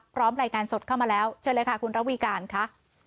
รายงานสดเข้ามาแล้วเชิญเลยค่ะคุณระวีการค่ะ